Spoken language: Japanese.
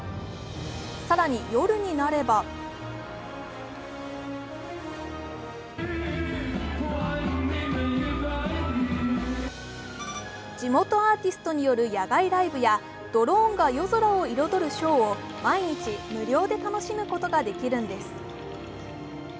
更に、夜になれば地元アーティストによる野外ライブやドローンが夜空を彩るショーを毎日、無料で楽しむことができるんです。